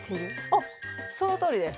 あっそのとおりです。